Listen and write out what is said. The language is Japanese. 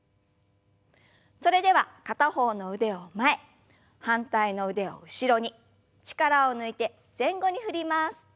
それでは片方の腕を前反対の腕を後ろに力を抜いて前後に振ります。